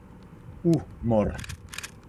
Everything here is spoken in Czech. U mor.